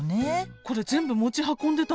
これ全部持ち運んでたんでしょ。